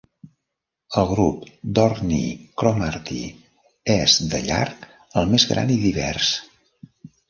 El grup d'Orkney-Cromarty és, de llarg, el més gran i divers.